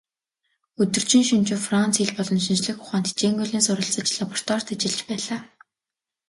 Өдөржин шөнөжин Франц хэл болон шинжлэх ухаанд хичээнгүйлэн суралцаж, лабораторид ажиллаж байлаа.